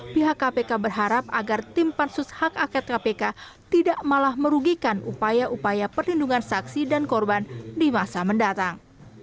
pihak kpk berharap agar tim pansus hak angket kpk tidak malah merugikan upaya upaya perlindungan saksi dan korban di masa mendatang